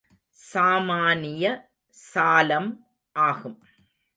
சாமானிய சாலம் ஆகும்.